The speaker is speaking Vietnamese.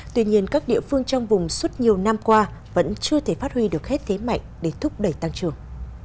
tuy nhiên các địa phương trong vùng suốt nhiều năm qua vẫn chưa thể phát huy được hết thế mạnh để thúc đẩy tăng trưởng